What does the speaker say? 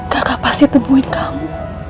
kakak pasti temuin kamu